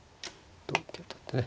同桂取ってね。